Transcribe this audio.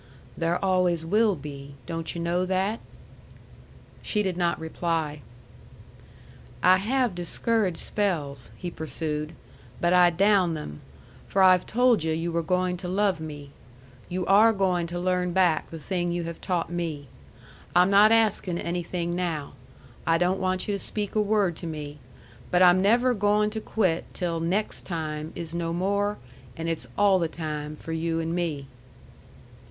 "There always will be. Don't yu' know that?" She did not reply. "I have discouraged spells," he pursued, "but I down them. For I've told yu' you were going to love me. You are goin' to learn back the thing you have taught me. I'm not askin' anything now; I don't want you to speak a word to me. But I'm never goin' to quit till 'next time' is no more, and it's 'all the time' for you and me."